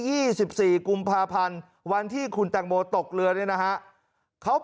ี่สิบสี่กุมภาพันธ์วันที่คุณแตงโมตกเรือเนี่ยนะฮะเขา